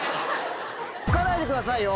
吹かないでくださいよ